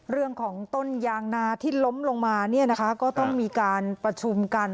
เรื่องของต้นยางนาที่ล้มลงมาเนี่ยนะคะก็ต้องมีการประชุมกัน